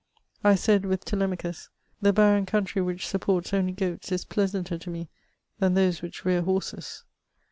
I said with Telemachus, '^ The barren country which supports only goats is pleasanter to me than those which rear horses."